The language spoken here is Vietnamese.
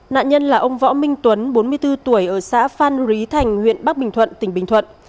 nạn nhân là ông võ minh tuấn bốn mươi bốn tuổi ở xã phan rí thành huyện bắc bình thuận tỉnh bình thuận